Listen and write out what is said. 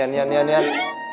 jan jan jan jan